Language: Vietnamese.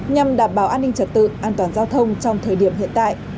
nhằm đảm bảo an ninh trật tự an toàn giao thông trong thời điểm hiện tại